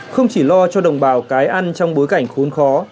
không chỉ lo cho đồng bào cái ăn trong bối cảnh khốn khó